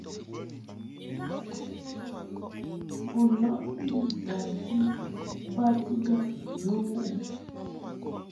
U lɔʼ mbi bati yab ghə wuʼ ɨ ?